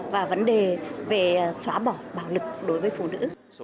và vấn đề về xóa bỏ bạo lực đối với phụ nữ